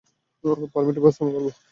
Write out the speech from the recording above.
পারমিটের ব্যবস্থা আমি করব।